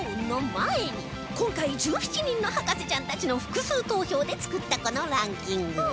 の前に今回１７人の博士ちゃんたちの複数投票で作ったこのランキング